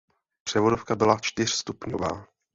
Převodovka byla čtyřstupňová.